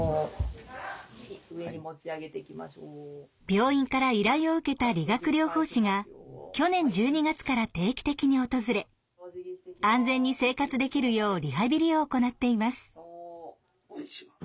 病院から依頼を受けた理学療法士が去年１２月から定期的に訪れ安全に生活できるようリハビリを行っています。